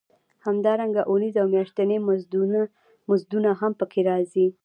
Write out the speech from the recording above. همدارنګه اونیز او میاشتني مزدونه هم پکې راځي